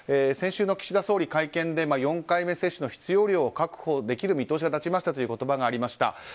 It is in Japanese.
先週の岸田総理会見で、４回目接種の必要量を確保できる見通しが立ちましたという言葉がありました。